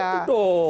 masih itu doh